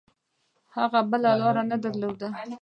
هغه بله لاره نه درلوده.